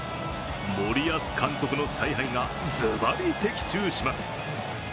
森保監督の采配がズバリ的中します。